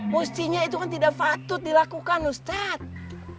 mestinya itu kan tidak patut dilakukan ustadz